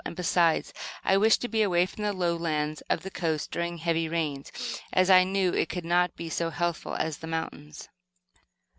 And besides, I wished to be away from the lowlands of the coast during heavy rains, as I knew it could not be so healthful as the mountains.